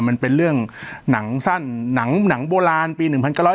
มันเป็นเรื่องหนังสั้นหนังโบราณปี๑๙